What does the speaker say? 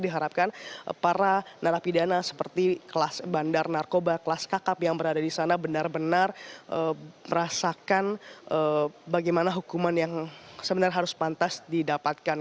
diharapkan para narapidana seperti kelas bandar narkoba kelas kakap yang berada di sana benar benar merasakan bagaimana hukuman yang sebenarnya harus pantas didapatkan